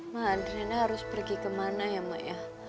ma adriana harus pergi kemana ya maya